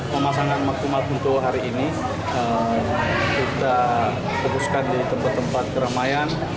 pemasangan maksimal untuk hari ini kita fokuskan di tempat tempat keramaian